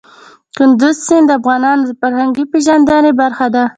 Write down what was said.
کندز سیند د افغانانو د فرهنګي پیژندنې برخه ده.